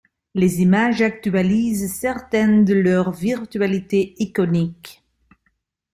Les images actualisent certaines de leurs virtualités iconiques.